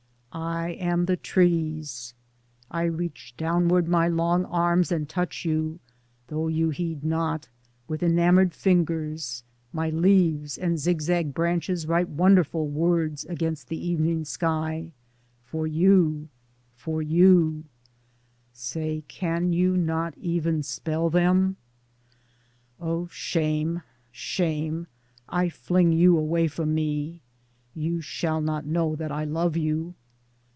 I am the trees ; I reach downward my long arms and touch you, though you heed not, with enamored fingers ; my leaves and zigzag branches write wonderful words against the evening sky — for you, for you — say, can you not even spell them ? O shame ! shame ! I fling you away from me (you shall not know that I love you).